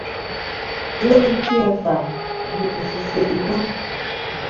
Ghelɨ ti a faf chitɨ sɨ se' item.